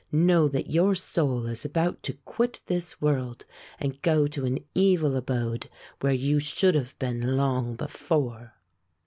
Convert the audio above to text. Know that your soul is about to quit this world and go to an evil abode where you should have been long before."